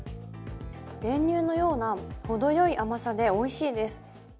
練乳のようなほどよい甘さで、おいしいです。